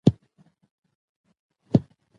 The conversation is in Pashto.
کندهار ښاروالي ټولو درنو ښاريانو ته خبر ورکوي: